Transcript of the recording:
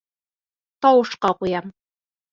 Тауышҡа ҡуям...